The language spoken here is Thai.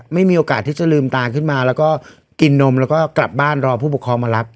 มีโอกาสที่จะลืมตาขึ้นมาแล้วก็กินนมแล้วก็กลับบ้านรอผู้ปกครองมารับ